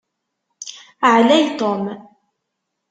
Ɛlay Tom.